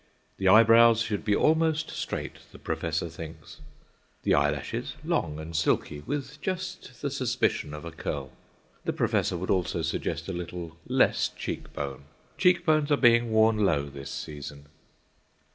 The eyebrows should be almost straight, the professor thinks; the eyelashes long and silky, with just the suspicion of a curl. The professor would also suggest a little less cheekbone. Cheekbones are being worn low this season.